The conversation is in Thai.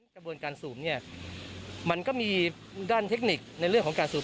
กระบวนการสูบเนี่ยมันก็มีด้านเทคนิคในเรื่องของการสูบ